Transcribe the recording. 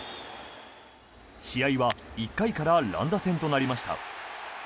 試合は１回から乱打戦となりました。